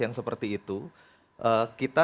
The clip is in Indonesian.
yang seperti itu kita